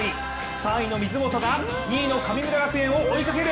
３位の水本が、２位の神村学園を追いかける。